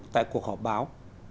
tại cuộc họp báo